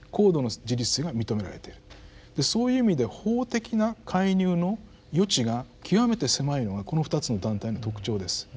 そういう意味で法的な介入の余地が極めて狭いのがこの２つの団体の特徴です。